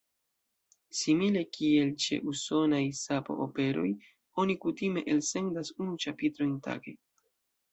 Simile kiel ĉe usonaj sapo-operoj oni kutime elsendas unu ĉapitrojn tage.